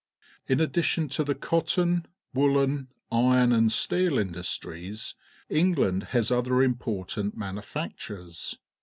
In addition to the cotton, wooljen^iron, and st ^eel indus tries. England has other important manufactures.